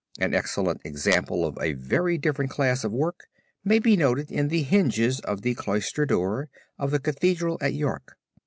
An excellent example of a very different class of work may be noted in the hinges of the Cloister door of the Cathedral at York.